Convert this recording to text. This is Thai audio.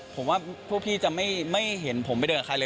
ผมว่าพวกพี่จะไม่เห็นผมไปเดินกับใครเลย